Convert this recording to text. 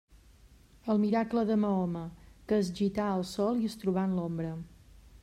El miracle de Mahoma, que es gità al sol i es trobà en l'ombra.